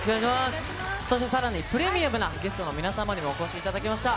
そしてさらにプレミアムなゲストの皆様にも、お越しいただきました。